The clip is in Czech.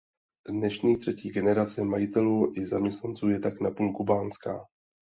Dnešní třetí generace majitelů i zaměstnanců je tak napůl kubánská.